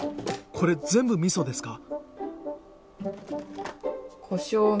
これ全部みそですか？